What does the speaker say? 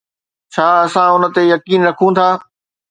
ڇا اسان ان تي يقين رکون ٿا؟